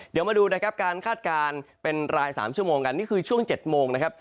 เดี๋ยวมาดูการคาดการณ์เป็นราย๓ชั่วโมงกันนี่คือช่วง๗โมง